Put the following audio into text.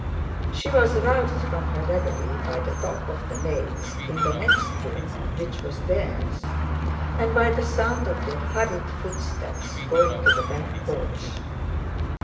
She was roused from her reverie by the talk of the maids in the next room (which was theirs) and by the sound of their hurried footsteps going to the back porch.